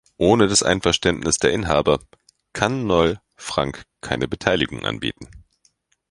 Ohne das Einverständnis der Inhaber kann Noll Frank keine Beteiligung anbieten.